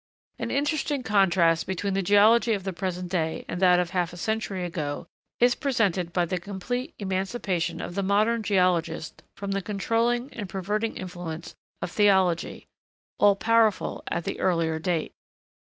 An interesting contrast between the geology of the present day and that of half a century ago, is presented by the complete emancipation of the modern geologist from the controlling and perverting influence of theology, all powerful at the earlier date.